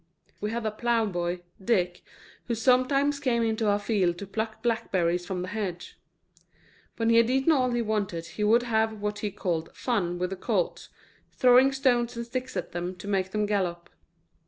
We had a ploughboy, Dick, who sometimes came into our field to pluck blackberries from the hedge. When he had eaten all he wanted he would have what he called fun with the colts, throwing stones and sticks at them to make them gallop.